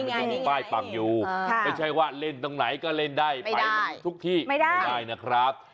มันจะมีป้ายปักอยู่ไม่ใช่ว่าเล่นตรงไหนก็เล่นได้ไปทุกที่ไม่ได้นะครับ